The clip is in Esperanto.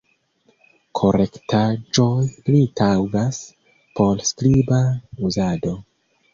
Korektaĵoj pli taŭgas por skriba uzado.